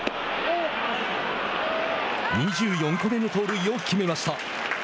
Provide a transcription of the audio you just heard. ２４個目の盗塁を決めました。